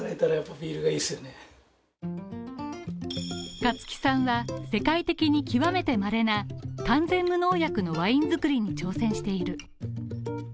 香月さんは世界的に極めてまれな完全無農薬のワイン造りに挑戦している。